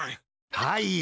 はい。